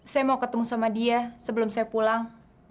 saya mau ketemu sama dia sebelum saya pulang